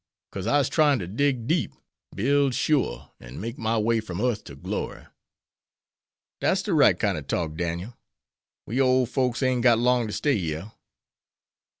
'Cause I'se tryin' to dig deep, build sure, an' make my way from earth ter glory." "Dat's de right kine ob talk, Dan'el. We ole folks ain't got long ter stay yere."